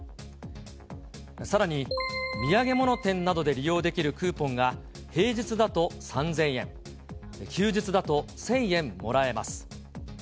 さらに土産物店などで利用できるクーポンが、平日だと３０００円、休日だと１０００円もらえます。